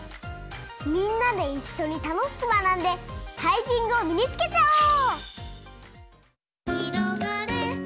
みんなでいっしょにたのしくまなんでタイピングをみにつけちゃおう！